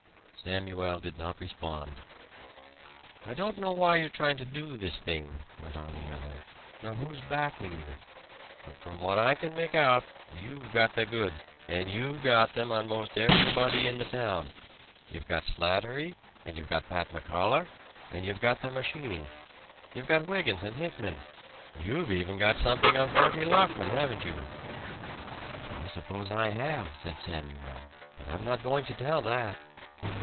Samuel did not respond. "I don't know why you're tryin' to do this thing," went on the other, "nor who's backing you. But from what I can make out, you've got the goods, and you've got them on most everybody in the town. You've got Slattery, and you've got Pat McCullagh, and you've got the machine. You've got Wygant and Hickman you've even got something on Bertie Lockman, haven't you?" "I suppose I have," said Samuel. "But I'm not going to tell that."